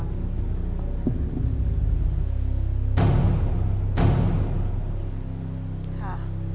ค่ะ